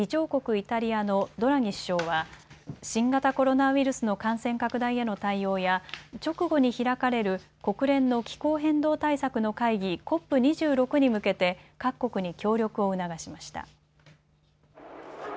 イタリアのドラギ首相は新型コロナウイルスの感染拡大への対応や直後に開かれる国連の気候変動対策の会議、ＣＯＰ２６に向けて各国に協力を促しました。